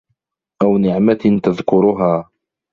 أَوْ نِعْمَةٍ تَذْكُرُهَا